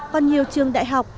còn nhiều trường đại học